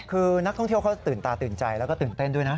คือนักท่องเที่ยวเขาตื่นตาตื่นใจแล้วก็ตื่นเต้นด้วยนะ